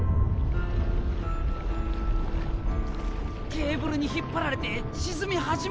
ケーブルに引っ張られて沈み始めた！